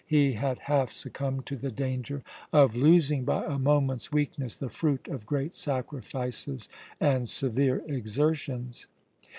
He had half succumbed to the danger of losing, by a moment's weakness, the fruit of great sacrifices and severe exertions.